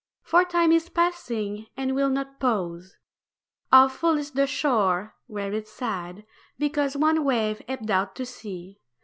For time is passing, and will not pause; How foolish the shore were it sad because One wave ebbed out to sea.